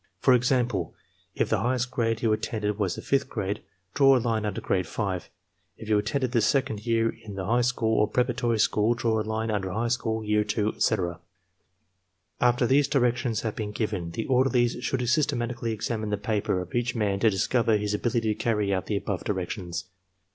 For example, if the highest grade you attended was the fifth grade, draw a Une under Grade 5; if you attended the second year in the high school or preparatory school, draw a line under High School, Year 2, etc." After these directions have been given, the orderlies should syBtematically examine the paper of each man to discover his ability to carry out the above directions.